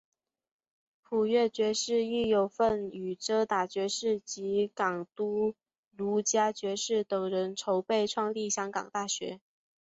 普乐爵士亦有份与遮打爵士及港督卢嘉爵士等人筹备创立香港大学。